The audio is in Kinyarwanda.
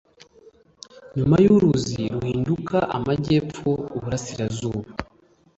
nyuma ya uruzi ruhinduka amajyepfo uburasirazuba